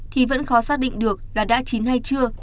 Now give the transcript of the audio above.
thì vẫn khó xác định được là đã chín hay chưa